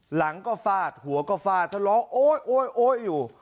หลังก็ฟาดหัวก็ฟาดทะเลาะโอ๊ยอยู่